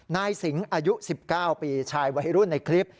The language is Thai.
นายสิงห์อายุ๑๙ปีชายวัยรุ่นในคลิป